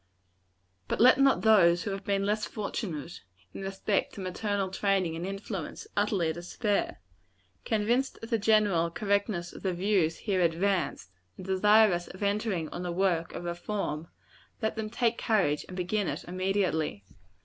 But let not those who have been less fortunate, in respect to maternal training and influence, utterly despair. Convinced of the general correctness of the views here advanced, and desirous of entering on the work of reform, let them take courage, and begin it immediately.